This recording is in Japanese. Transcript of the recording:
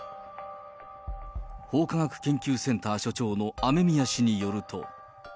法科学研究センター所長の雨宮氏によると。